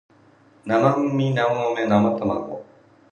生麦生ゴミ生卵